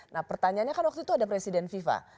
nah pertanyaannya kan waktu itu ada presiden fifa